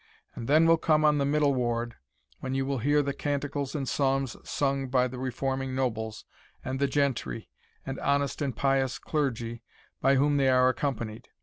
And then will come on the middle ward, when you will hear the canticles and psalms sung by the reforming nobles, and the gentry, and honest and pious clergy, by whom they are accompanied.